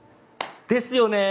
ですよね。